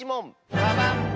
ババン！